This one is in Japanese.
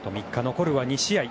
残るは２試合。